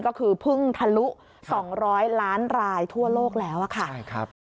ก็คือเพิ่งทะลุ๒๐๐ล้านรายทั่วโลกแล้วค่ะ